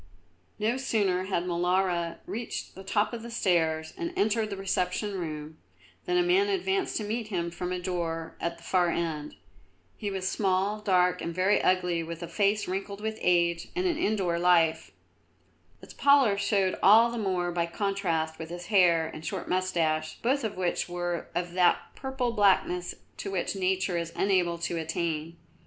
No sooner had Molara reached the top of the stairs and entered the reception room, than a man advanced to meet him from a door at the far end. He was small, dark, and very ugly, with a face wrinkled with age and an indoor life. Its pallor showed all the more by contrast with his hair and short moustache, both of which were of that purple blackness to which Nature is unable to attain.